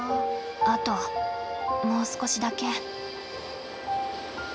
あともう少しだけ。